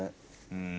うん。